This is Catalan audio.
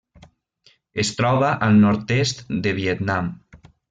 Es troba al nord-est del Vietnam.